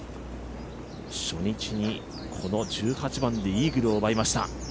初日にこの１８番でイーグルを奪いました。